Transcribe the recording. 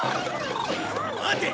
待て！